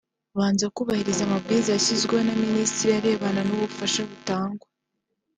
banze kubahiriza amabwiriza yashyizweho na Minisiteri arebana n’ubufasha butangwa